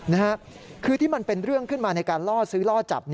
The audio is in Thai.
นะฮะคือที่มันเป็นเรื่องขึ้นมาในการล่อซื้อล่อจับ